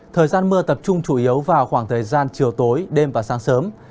thời gian mưa tập trung chủ yếu vào khoảng thời gian chiều tối đêm và sáng sớm